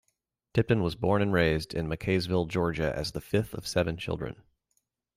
Tipton was born and raised in McCaysville, Georgia as the fifth of seven children.